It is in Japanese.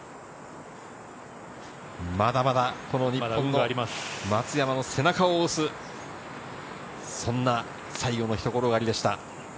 まだまだ日本の松山の背中を押す、そんな最後のひと転がりでした。